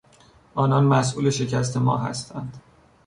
آنان مسئول شکست ما هستند.